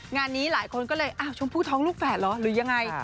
งานนี้หลายคนก็เลยอ้าวชมพู่ท้องลูกแฝดเหรอหรือยังไง